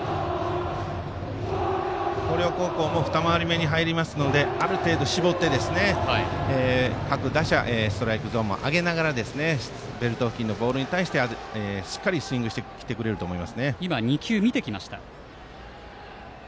広陵高校も二回り目に入りますのである程度絞って各打者ストライクゾーンも上げながらベルト付近のボールに対してしっかりスイングしてくると思います。